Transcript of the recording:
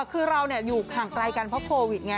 คือเราอยู่ห่างไกลกันเพราะโควิดไง